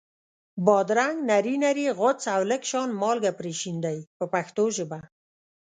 بادرنګ نري نري غوڅ او لږ شان مالګه پرې شیندئ په پښتو ژبه.